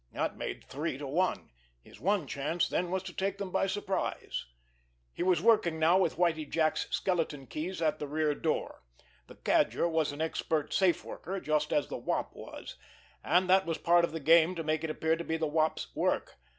That made three to one! His one chance then was to take them by surprise. He was working now with Whitie Jack's skeleton keys at the rear door. The Cadger was an expert safeworker, just as the Wop was, and that was part of the game to make it appear to be the Wop's work.